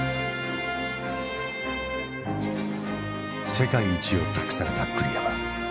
世界一を託された栗山。